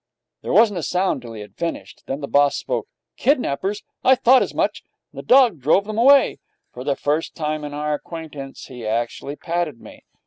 There wasn't a sound till he had finished. Then the boss spoke. 'Kidnappers! I thought as much. And the dog drove them away!' For the first time in our acquaintance he actually patted me.